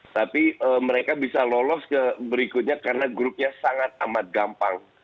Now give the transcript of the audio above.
tapi mereka bisa lolos ke berikutnya karena grupnya sangat amat gampang